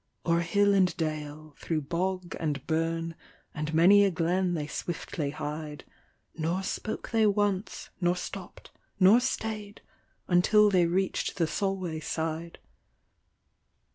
O'er hill and dale, thro' bog and burn, And many a glen they swiftly hied ; Nor spoke they once, nor stopp'd, nor stay'd. Until they reach'd the Solway side.